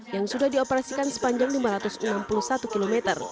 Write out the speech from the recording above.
yang sudah dioperasikan sepanjang lima ratus enam puluh satu km